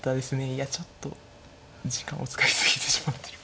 いやちょっと時間を使い過ぎてしまってる。